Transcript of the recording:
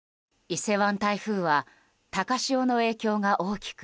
伊勢湾台風は高潮の影響が大きく